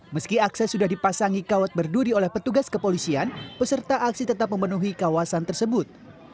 meski akses sudah dipasangi kawat berduri oleh petugas kepolisian peserta aksi tetap memenuhi kawasan tersebut